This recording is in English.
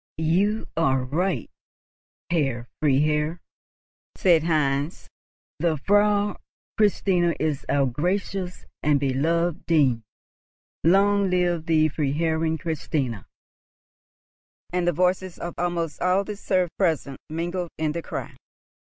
"You are right, Herr Freiherr," said Heinz. "The Frau Christina is our gracious and beloved dame. Long live the Freiherrinn Christina!" And the voices of almost all the serfs present mingled in the cry.